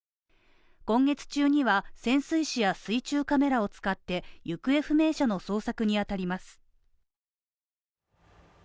今月中には潜水士や水中カメラを使って行方不明者の捜索にあたります。